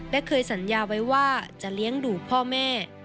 และเคยสัญญาไว้ว่าจะเลี้ยงดูพ่อแม่